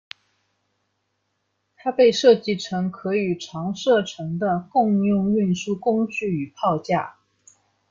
它被设计成可与长射程的共用运输工具与炮架。